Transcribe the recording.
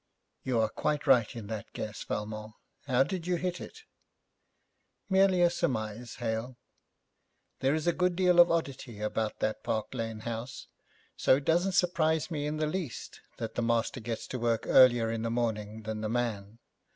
'You are quite right in that guess, Valmont. How did you hit it?' 'Merely a surmise, Hale. There is a good deal of oddity about that Park Lane house, so it doesn't surprise me in the least that the master gets to work earlier in the morning than the man.